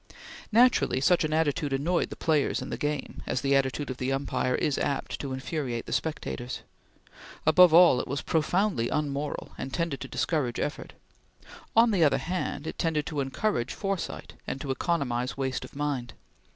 Naturally such an attitude annoyed the players in the game, as the attitude of the umpire is apt to infuriate the spectators. Above all, it was profoundly unmoral, and tended to discourage effort. On the other hand, it tended to encourage foresight and to economize waste of mind.